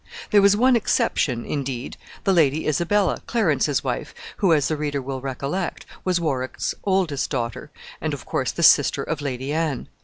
There was one exception, indeed, the Lady Isabella, Clarence's wife, who, as the reader will recollect, was Warwick's oldest daughter, and, of course, the sister of Lady Anne.